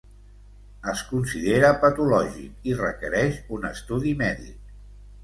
Es considera patològic i requereix un estudi mèdic.